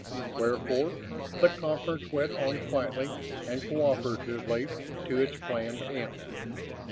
Wherefore the conference went on, quietly and cooperatively, to its planned end.